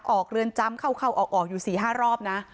ออกเรือนจำเข้าออกอยู่สี่ห้ารอบนะ